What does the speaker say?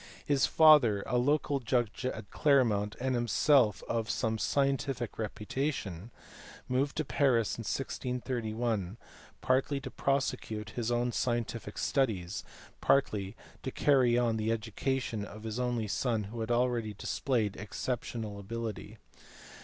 His father, a local judge at Cler mont and himself of some scientific reputation, moved to Paris in 1631, partly to prosecute his own scientific studies, partly to carry on the education of his only son who had already displayed exceptional ability.